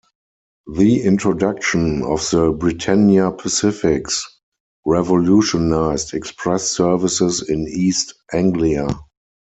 The introduction of the Britannia Pacifics revolutionised express services in East Anglia.